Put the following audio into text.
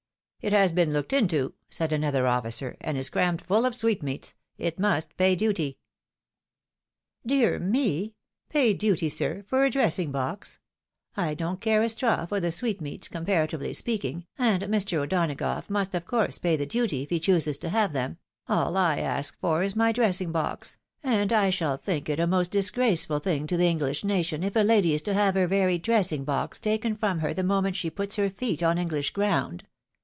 " It has been looked into," said another offioer, " and is crammed fuU of sweetmeats. It must pay duty." " Dear me !— ^pay duty, sir, for a dressing box ? I don't care a straw for the sweetmeats, comparatively speaking, and Mr. O'Donagough must of course pay the duty, if he chooses to have them — all I ask is for my dressing box, and I shall think it a most disgraceful thing to the English nation, if a lady is to have her very dressing box taken from her the moment she puts her feet on English ground.